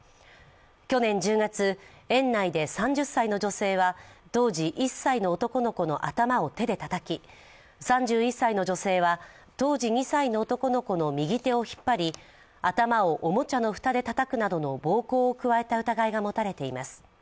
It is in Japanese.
去年１０月、園内で３０歳の女性は当時１歳の男の子の頭を手でたたき３１歳の女性は当時２歳の男の子の右手を引っ張り頭をおもちゃの蓋でたたくなどの暴行を加えた疑いが持たれています。